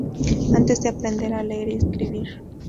Antes de aprender a leer y escribir.